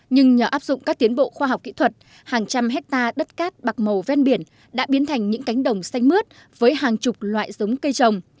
nhưng nhờ áp dụng các tiến bộ khoa học kỹ thuật hàng trăm hectare đất cát bạc màu ven biển đã biến thành những cánh đồng xanh mướt với hàng chục loại giống cây trồng